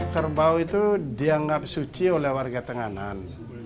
kerbau itu dianggap suci oleh warga tenganan